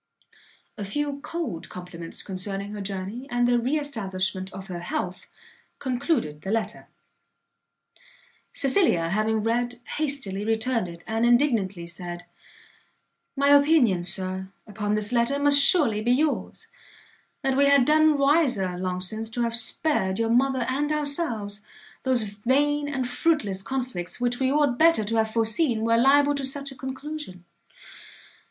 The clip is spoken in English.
A few cold compliments concerning her journey, and the re establishment of her health, concluded the letter. Cecilia, having read, hastily returned it, and indignantly said, "My opinion, Sir, upon this letter, must surely be yours; that we had done wiser, long since, to have spared your mother and ourselves, those vain and fruitless conflicts which we ought better to have foreseen were liable to such a conclusion.